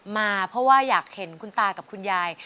มาเพราะว่าอยากเห็นคุณตากับคุณยาย